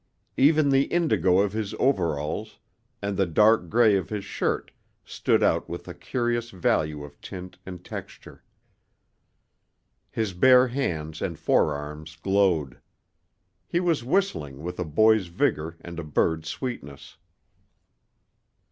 Even the indigo of his overalls and the dark gray of his shirt stood out with a curious value of tint and texture. His bare hands and forearms glowed. He was whistling with a boy's vigor and a bird's sweetness.